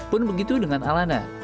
pun begitu dengan alana